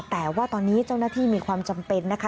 แต่ว่าตอนนี้เจ้าหน้าที่มีความจำเป็นนะคะ